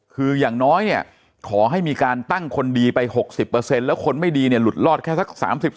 คืออย่างน้อยเนี่ยขอให้มีการตั้งคนดีไป๖๐แล้วคนไม่ดีเนี่ยหลุดรอดแค่สัก๓๐